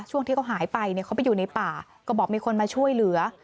ช่วงที่เขาหายไปเนี่ยเขาไปอยู่ในป่าก็บอกมีคนมาช่วยเหลือ